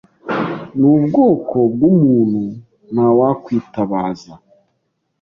Nubwoko bwumuntu ntawakwitabaza.